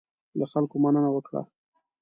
له خلکو مننه وکړه.